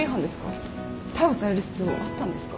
逮捕される必要あったんですか？